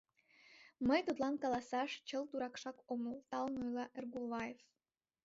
Мый тудлан каласаш чылт дуракшак омыл! — талын ойла Эргуваев.